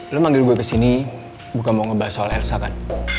lo manggil gue kesini bukan mau ngebahas soal elsa kan